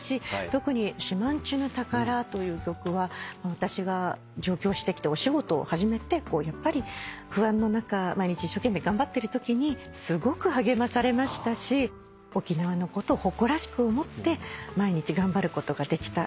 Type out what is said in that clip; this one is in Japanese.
特に『島人ぬ宝』という曲は私が上京してきてお仕事を始めて不安の中毎日一生懸命頑張ってるときにすごく励まされましたし沖縄のことを誇らしく思って毎日頑張ることができた。